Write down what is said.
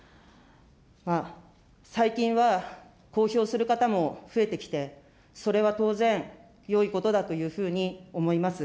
最近は、公表する方も増えてきて、それは当然、よいことだというふうに思います。